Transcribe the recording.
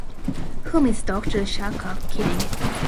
Whom is Doctor Shahak kidding?